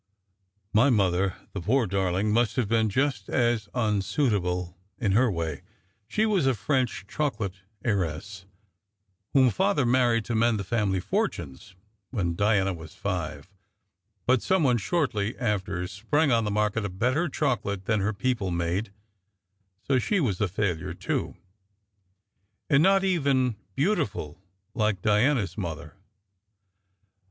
My mother, the poor darling, must have been just as un suitable in her way. She was a French chocolate heiress, whom Father married to mend the family fortunes, when Diana was five; but some one shortly after sprang on the market a better chocolate than her people made, so she was a failure, too, and not even beautiful like Diana s mother.